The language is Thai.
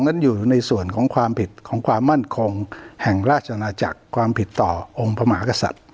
นั้นอยู่ในส่วนของความผิดของความมั่นคงแห่งราชอาณาจักรความผิดต่อองค์พระมหากษัตริย์